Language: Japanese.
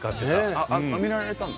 あっ見られたの？